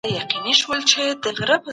تاسو بايد د پوهي په رڼا کي مخکې لاړ سئ.